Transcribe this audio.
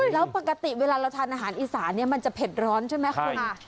แล้วปกติเวลาเราทานอาหารอีสานเนี่ยมันจะเผ็ดร้อนใช่ไหมคุณ